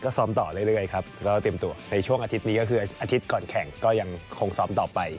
ซ้อมต่อเรื่อยครับก็เตรียมตัวในช่วงอาทิตย์นี้ก็คืออาทิตย์ก่อนแข่งก็ยังคงซ้อมต่อไป